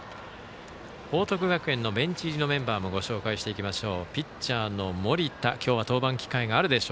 報徳学園のベンチ入りのメンバーもご紹介していきましょう。